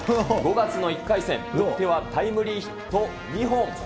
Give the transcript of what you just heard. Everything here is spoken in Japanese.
５月の１回戦、打ってはタイムリーヒット２本。